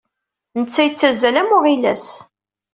Netta yettazzal am uɣilas.